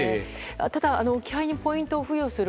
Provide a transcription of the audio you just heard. ただ、置き配にポイントを付与する。